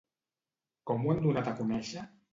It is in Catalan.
Com ho han donat a conèixer?